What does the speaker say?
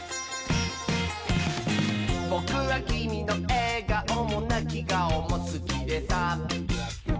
「ぼくはきみのえがおもなきがおもすきでさ」